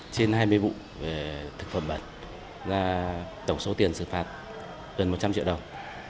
trên hai mươi vụ về thực phẩm bẩn tổng số tiền xử phạt gần một trăm linh triệu đồng